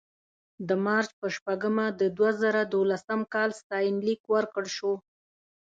د مارچ په شپږمه د دوه زره دولسم کال ستاینلیک ورکړل شو.